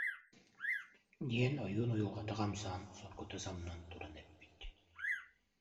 диэн ойуун уйулҕата хамсаан, соргута самнан туран эппит